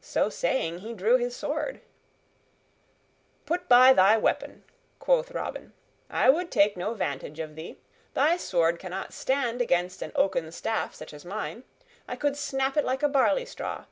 So saying, he drew his sword. "Put by thy weapon," quoth Robin. "I would take no vantage of thee. Thy sword cannot stand against an oaken staff such as mine. I could snap it like a barley straw.